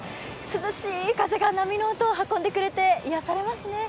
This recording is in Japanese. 涼しい風が波の音を運んでくれて癒やされますね。